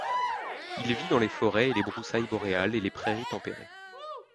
Il vit dans les forêts et les broussailles boréales et les prairies tempérées.